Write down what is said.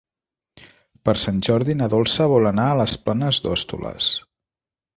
Per Sant Jordi na Dolça vol anar a les Planes d'Hostoles.